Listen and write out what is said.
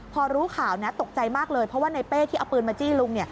พอรู้ข่าวตกใจมากเลยเพราะว่าในเป้ที่เอาปืนมาจี้ลุง